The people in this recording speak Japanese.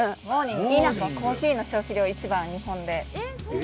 コーヒーの消費量一番日本で。